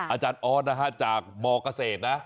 อาจารย์ออทจากมเกษตรนะ